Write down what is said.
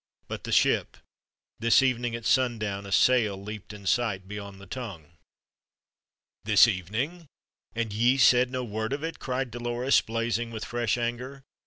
But the ship. This evening, at sundown, a sail leaped in sight beyond the Tongue." "This evening! And ye said no word of it?" cried Dolores, blazing with fresh anger.